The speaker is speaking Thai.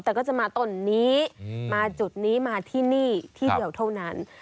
แต่ก็จะมาต้นนี้มาจุดนี้มาที่นี่ที่เดียวเท่านั้น